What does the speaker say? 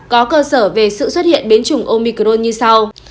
có cơ sở về sự xuất hiện biến chủng omicron như sau